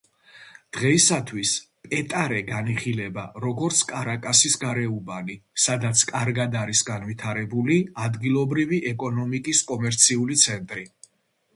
დღეისათვის, პეტარე განიხილება როგორც კარაკასის გარეუბანი, სადაც კარგად არის განვითარებული ადგილობრივი ეკონომიკის კომერციული ცენტრი.